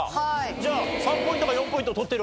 じゃあ３ポイントか４ポイント取ってる。